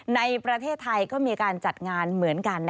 ในประเทศไทยก็มีการจัดงานเหมือนกัน